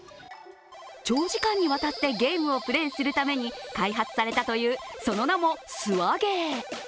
長時間にわたってゲームをプレーするために開発されたというその名もスワゲー。